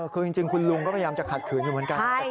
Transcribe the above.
คือจริงคุณลุงก็พยายามจะขัดขืนอยู่เหมือนกัน